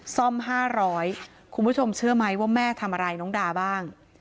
ซ่อม๕๐๐คุณผู้ชมเชื่อไหมว่าแม่ทำอะไรน้องดาบ้าง